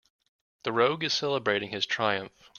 The rogue is celebrating his triumph.